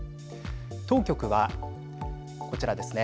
当局は、こちらですね。